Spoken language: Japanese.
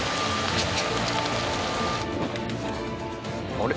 あれ？